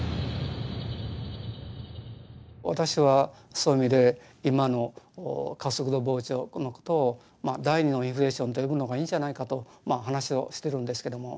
私はそういう意味で今の加速度膨張のことを第２のインフレーションと呼ぶのがいいんじゃないかと話をしてるんですけども。